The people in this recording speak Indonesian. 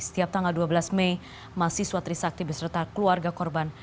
setiap tanggal dua belas mei mahasiswa trisakti beserta keluarga korban